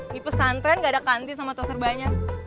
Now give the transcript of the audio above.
di pesantren gak ada kantin sama toser banyak